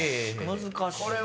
難しい。